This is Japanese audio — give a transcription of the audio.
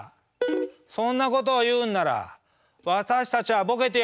「そんなことを言うんなら私たちはボケてやる」。